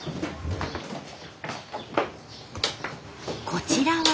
こちらは。